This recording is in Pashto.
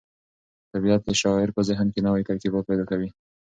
طبیعت د شاعر په ذهن کې نوي ترکیبات پیدا کوي.